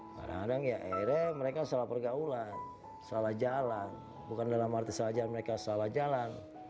kadang kadang ya akhirnya mereka salah pergaulan salah jalan bukan dalam arti saja mereka salah jalan